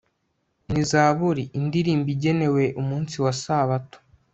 ni zaburi. indirimbo igenewe umunsi wa sabato